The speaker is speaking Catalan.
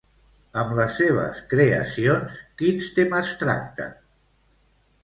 Amb les seves creacions quins temes tracta?